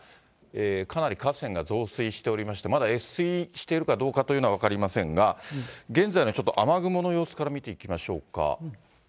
かなり河川が増水しておりまして、まだ越水しているかというのは分かりませんが、現在のちょっと、雨雲の様子から見ていきましょうか。